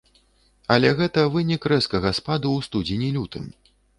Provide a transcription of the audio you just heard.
Але гэта вынік рэзкага спаду ў студзені-лютым.